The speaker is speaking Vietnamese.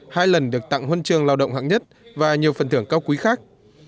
hai lần được tặng huân chương lao động hạng nhất và nhiều phần thưởng cao quý khác